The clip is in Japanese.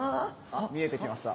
見えてきました。